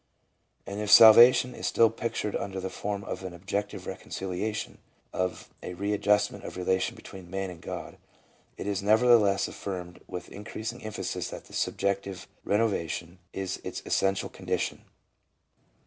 And if salvation is still pictured under the form of an objective reconciliation, of a readjustment of relation between man and God, it is never theless affirmed with increasing emphasis that subjective renovation is its essential condition.